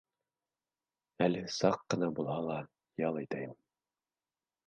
Әлегә саҡ ҡына булһа ла ял итәйем.